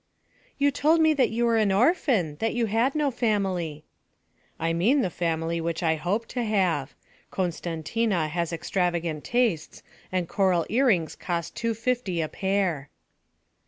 'You told me that you were an orphan; that you had no family.' 'I mean the family which I hope to have. Costantina has extravagant tastes, and coral earrings cost two fifty a pair.'